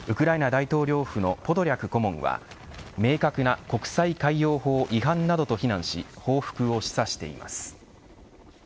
大統領府のポドリャク顧問は明確な国際海洋法違反などと非難し報復を示唆しています。